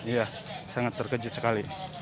iya sangat terkejut sekali